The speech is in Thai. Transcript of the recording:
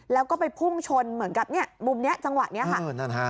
แล้วก็ไปพุ่งชนเหมือนกับเนี่ยมุมนี้จังหวะนี้ค่ะ